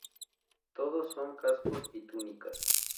Todo son cascos y túnicas.